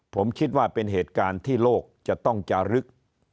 ผมคิดว่าเป็นเหตุการณ์ที่โลกจะต้องจารึก